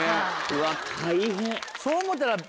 うわ大変。